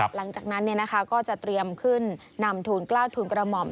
หลังจากนั้นก็จะเตรียมขึ้นนำทูลกล้าทูลกระหม่อม